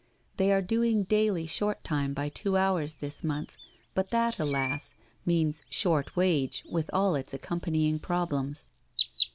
They are doing daily short time by two hours this month, but that alas I means short wage with all its accompanying problems.